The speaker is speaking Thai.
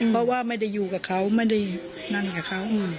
เพราะว่าไม่ได้อยู่กับเขาไม่ได้นั่นกับเขา